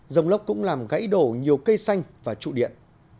rông lốc cũng làm gãy đổ nhiều cây xanh và trụ điện